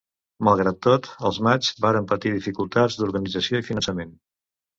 Malgrat tot, els matxs varen patir dificultats d'organització i finançament.